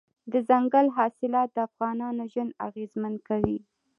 دځنګل حاصلات د افغانانو ژوند اغېزمن کوي.